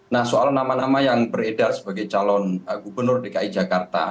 nah soal nama nama yang beredar sebagai calon gubernur dki jakarta